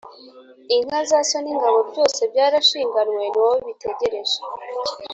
«inka za so n'ingabo byose byarashinganwe ni wowe bitegereje,